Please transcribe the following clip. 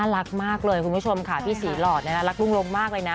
รักมากเลยคุณผู้ชมค่ะพี่ศรีหลอดรักลุงลงมากเลยนะ